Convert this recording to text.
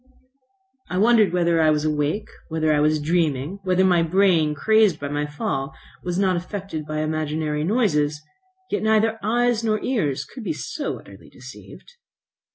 I wondered whether I was awake, whether I was dreaming, whether my brain, crazed by my fall, was not affected by imaginary noises. Yet neither eyes, nor ears could be so utterly deceived.